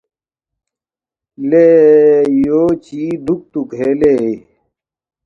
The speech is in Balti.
”لے یو چی دُوکتُوک ہے لے؟“